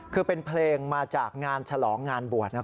คือเป็นเพลงมาจากงานฉลองงานบวชนะ